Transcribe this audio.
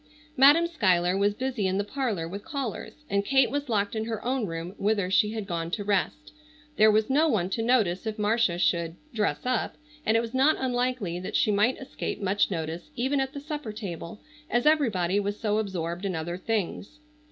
Madam Schuyler was busy in the parlor with callers, and Kate was locked in her own room whither she had gone to rest. There was no one to notice if Marcia should "dress up," and it was not unlikely that she might escape much notice even at the supper table, as everybody was so absorbed in other things.